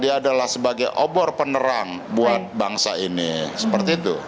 dia adalah sebagai obor penerang buat bangsa ini seperti itu